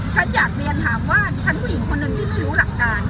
ฉันอยากเรียนถามว่าฉันผู้หญิงคนหนึ่งที่ไม่รู้หลักการ